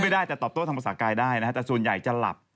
ได้แต่ตอบโต้ทางภาษากายได้นะฮะแต่ส่วนใหญ่จะหลับ